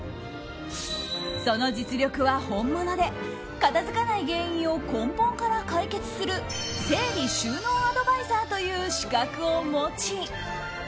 その実力は本物で片付かない原因を根本から解決する整理収納アドバイザーという資格を持ち